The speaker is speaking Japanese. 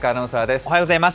おはようございます。